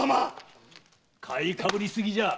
買いかぶりすぎじゃ。